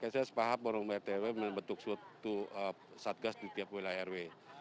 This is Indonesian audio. saya sepaham orang orang rtw membentuk satu satgas di tiap wilayah rw